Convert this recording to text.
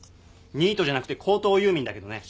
ニートじゃなくて高等遊民だけどね。